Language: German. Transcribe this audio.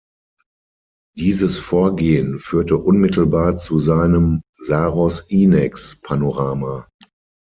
Dieses Vorgehen führte unmittelbar zu seinem "Saros-Inex-Panorama".